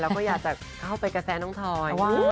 แล้วก็อยากจะเข้าไปกระแสน้องทอย